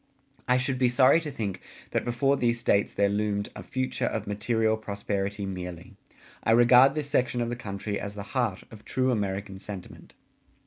... I should be sorry to think that before these states there loomed a future of material prosperity merely. I regard this section of the country as the heart of true American sentiment.